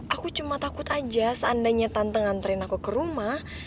aku cuma takut aja seandainya tante nganterin aku ke rumah